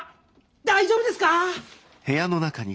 ⁉大丈夫ですか？